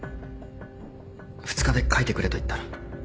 ２日で描いてくれと言ったら。